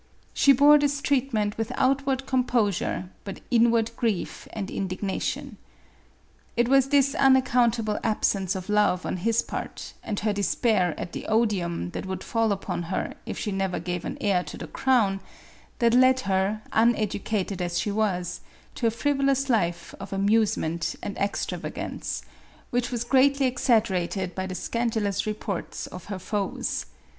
She bore this treatment with outward composure but inward grief and indignation. It was this unaccount able absence of love on his part, and her despair at the odium that would fall upon her if she never gave an heir to the crown, that led her, uneducated as she was, to a frivolous life of amusement and extravagance, which was greatly exaggerated by the scandalous reports of her foes.